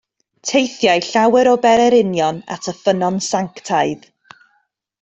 Teithiai llawer o bererinion at y ffynnon sanctaidd.